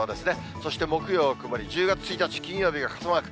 そして木曜曇り、１０月１日金曜日が傘マーク。